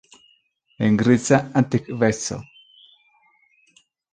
En griza antikveco.